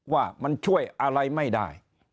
ว่ามันช่วยอะไรไม่ได้